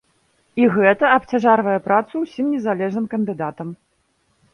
І гэта абцяжарвае працу ўсім незалежным кандыдатам.